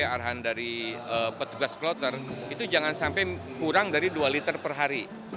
arahan dari petugas kloter itu jangan sampai kurang dari dua liter per hari